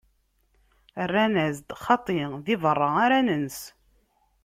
Rran-as-d: Xaṭi, di beṛṛa ara nens.